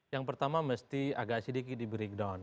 yang pertama mesti agak sedikit di breakdown